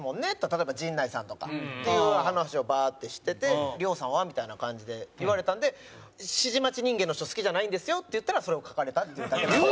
例えば陣内さんとか」っていう話をバーッてしてて「亮さんは？」みたいな感じで言われたんで「指示待ち人間の人好きじゃないんですよ」って言ったらそれを書かれたっていうだけなんで。